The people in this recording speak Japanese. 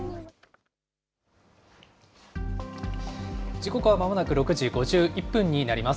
時刻はまもなく６時５１分になります。